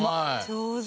上手。